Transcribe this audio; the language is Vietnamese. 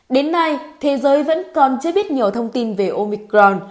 đến nay thế giới vẫn còn chưa biết nhiều thông tin về omicron